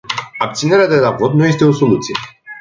Abținerea de la vot nu este o soluție.